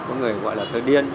có người thì gọi là thơ điên